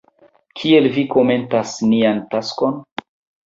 Kiel vi komentas nian takson?